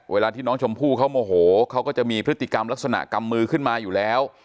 เวลาที่น้องชมพู่เขาโมโหเขาก็จะมีพฤติกรรมลักษณะกำมือขึ้นมาอยู่แล้ว